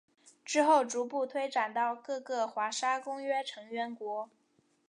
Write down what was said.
之后逐步推展到各个华沙公约成员国。